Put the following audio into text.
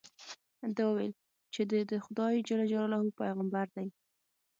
ده وویل چې دې د خدای جل جلاله پیغمبر دی.